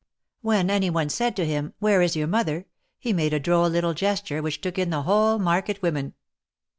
When any one said to him ''Where is your mother?" he made a droll little gesture, which took in the whole market women.